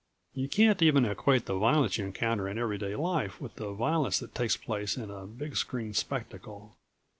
You can't even equate the violence you encounter in everyday life with the violence that takes place in a big screen spectacle.